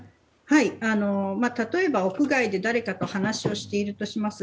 例えば、屋外で誰かと話をしているとします。